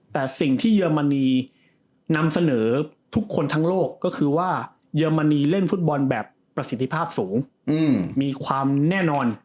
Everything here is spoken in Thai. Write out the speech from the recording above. แต่สิ่งที่เยอรมนีนำเสนอทุกคนทั้งโลกก็คือว่าเยอรมนีเล่นฟุตบอลแบบประสิทธิภาพสูงมีความแน่นอน